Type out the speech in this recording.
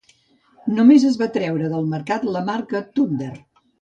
Només es va treure del mercat la marca "Thunder".